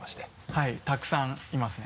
はいたくさんいますね。